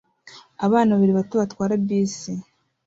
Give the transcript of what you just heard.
Abana babiri bato batwara bisi